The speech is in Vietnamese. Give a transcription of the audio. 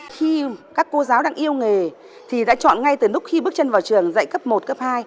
khi các cô giáo đang yêu nghề thì đã chọn ngay từ lúc khi bước chân vào trường dạy cấp một cấp hai